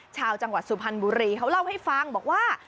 ชาวจังหวัดสุพรรณบุรีเขาเล่าให้ฟังบอกว่า